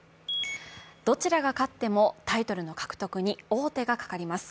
どちらが勝ってもタイトルの獲得に王手がかかります。